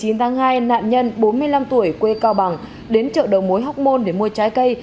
nạn nhân bốn mươi năm tuổi quê cao bằng đến chợ đầu mối hóc môn để mua trái cây